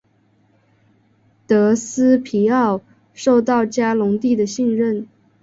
德斯皮奥受到嘉隆帝的信任。